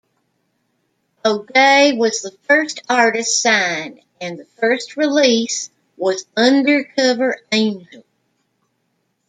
O'Day was the first artist signed, and the first release was Undercover Angel.